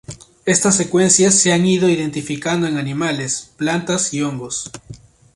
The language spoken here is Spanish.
Estas secuencias se han identificado en animales, plantas y hongos.